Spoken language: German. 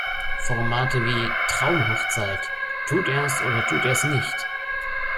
Formate wie "Traumhochzeit", "Tut er’s oder tut er es nicht?